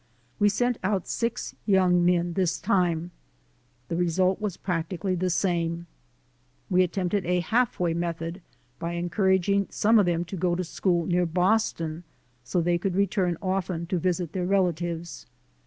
We sent out six young men this time. The result was practically the same. We attempted a half way method by en couraging some to go to school near Boston so they could return often to visit their relatives.